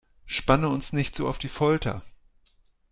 Spanne uns nicht so auf die Folter